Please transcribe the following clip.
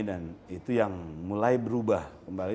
dan itu yang mulai berubah kembali